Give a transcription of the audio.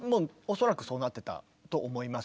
恐らくそうなってたと思います。